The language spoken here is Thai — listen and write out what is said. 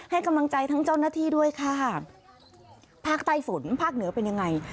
ให้กำลังใจทั้งเจ้าหน้าที่ด้วยค่ะภาคใต้ฝนภาคเหนือเป็นยังไง